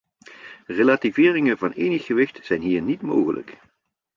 Relativeringen van enig gewicht zijn hier niet mogelijk.